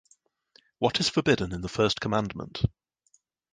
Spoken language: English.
What is forbidden in the first commandment?